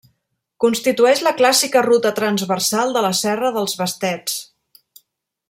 Constitueix la clàssica ruta transversal de la Serra dels Bastets.